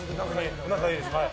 仲いいです。